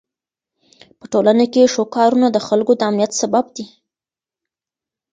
په ټولنه کې ښو کارونه د خلکو د امنيت سبب دي.